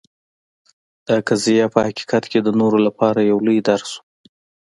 دا قضیه په حقیقت کې د نورو لپاره یو لوی درس و.